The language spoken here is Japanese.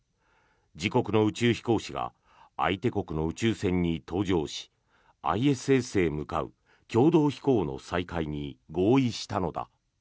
自国の宇宙飛行士が相手国の宇宙船に搭乗しＩＳＳへ向かう共同飛行の再開に合意したのだ。